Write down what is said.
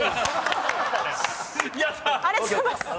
ありがとうございます。